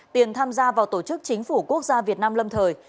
tiền tham gia vào tổ chức chính phủ quốc gia việt nam lâm thời